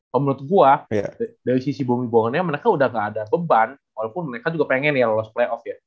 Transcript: kalau menurut gua dari sisi bumi pohonnya mereka udah gak ada beban walaupun mereka juga pengen ya lolos playoff ya